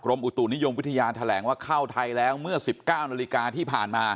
อุตุนิยมวิทยาแถลงว่าเข้าไทยแล้วเมื่อ๑๙นาฬิกาที่ผ่านมา